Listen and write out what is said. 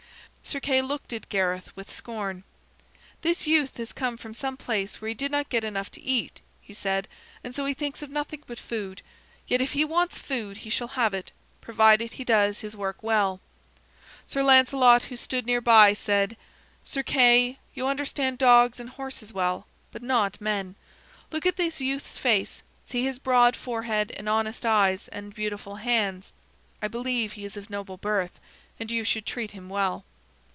Sir Kay looked at Gareth with scorn. "This youth has come from some place where he did not get enough to eat," he said, "and so he thinks of nothing but food. Yet if he wants food, he shall have it, provided he does his work well." Sir Lancelot, who stood near by, said: "Sir Kay, you understand dogs and horses well, but not men. Look at this youth's face; see his broad forehead and honest eyes, and beautiful hands. I believe he is of noble birth, and you should treat him well."